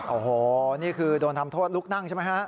โอ้โหนี่คือโดนทำโทษลุกนั่งใช่ไหมฮะ